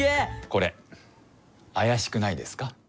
これあやしくないですか？